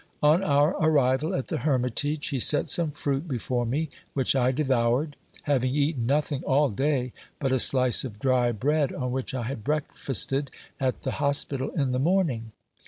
On our arrival at the hermitage he set some fruit before me, which I devoured, having eaten nothing all day but a slice of dry bread, on which I had breakfasted at the hospital in the morning.